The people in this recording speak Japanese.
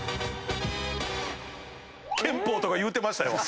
憲法とか言うてましたよ。